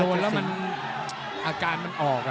โดนแล้วมันอาการมันออก